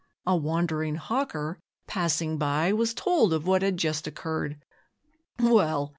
A wandering hawker passing by Was told of what had just occurred. 'Well!